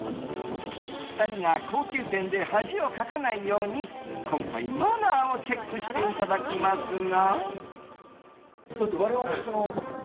２人が高級店で恥をかかないように今回、マナーをチェックしていただきますが。